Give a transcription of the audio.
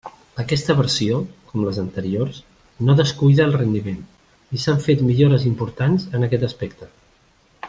Aquesta versió, com les anteriors, no descuida el rendiment, i s'han fet millores importants en aquest aspecte.